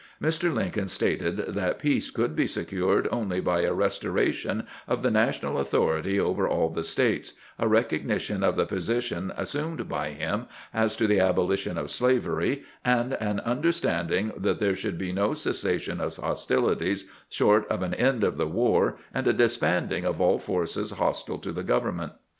Mr. Lincoln stated that peace could be secured only by a restoration of the national authority over all the States, a recognition of the position assumed by him as to the abolition of slavery, and an under standing that there should be no cessation of hostilities short of an end of the war and a disbanding of all forces hostUe to the government.